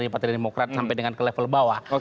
pdip sampai dengan ke level bawah